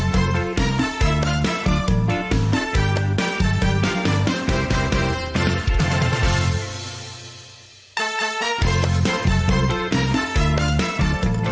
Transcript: โปรดติดตามตอนต่อไป